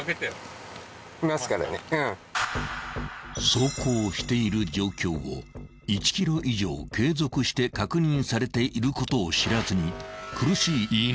［走行している状況を１ｋｍ以上継続して確認されていることを知らずに苦しい言い逃れをする男］